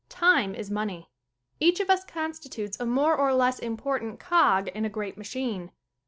Time is money. Each of us constitutes a more or less impor tant cog in a great machine.